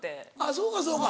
そうかそうか。